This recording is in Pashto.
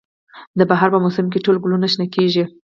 د بهار په موسم کې ټول ګلونه شنه کیږي